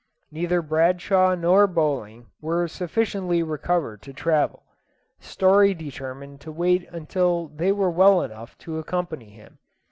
Neither Bradshaw nor Bowling were sufficiently recovered to travel. Story determined to wait until they were well enough to accompany him.